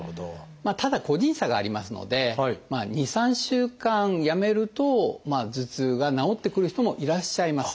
ただ個人差がありますので２３週間やめると頭痛が治ってくる人もいらっしゃいます。